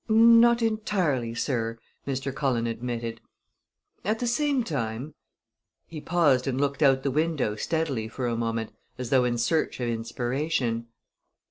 "Not entirely, sir," Mr. Cullen admitted. "At the same time " He paused and looked out the window steadily for a moment, as though in search of inspiration.